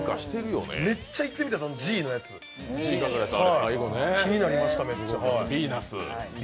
めちゃ行ってみたい、あのＧのやつ、気になりました、めっちゃ。